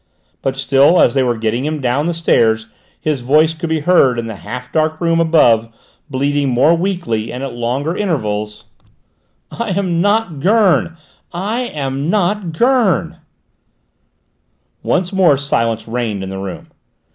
But still as they were getting him down the stairs his voice could be heard in the half dark room above, bleating more weakly and at longer intervals: "I am not Gurn! I am not Gurn!" Once more silence reigned in the room.